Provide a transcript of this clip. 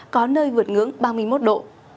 có nơi vượt ngưỡng ba mươi một độ